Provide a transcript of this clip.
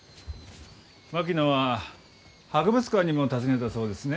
槙野は博物館にも訪ねたそうですね。